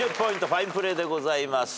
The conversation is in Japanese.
ファインプレーでございます。